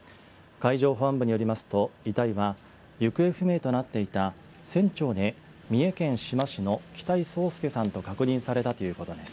海上保安部によりますと遺体は行方不明となっていた船長で三重県志摩市の北井宗祐さんと確認されたということです。